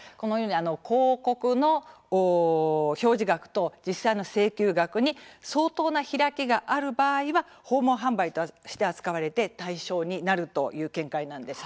広告の表示額と実際の請求額に相当の開きがある場合は訪問販売と扱われて対象になるという見解なんです。